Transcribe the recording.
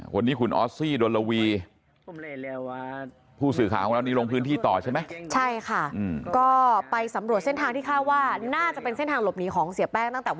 วันนี้คุณออสซี่โดนลวีผู้สื่อข่าวของเรานี่ลงพื้นที่ต่อใช่ไหม